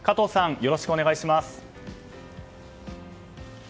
よろしくお願いします。